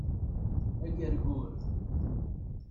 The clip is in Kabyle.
Agergur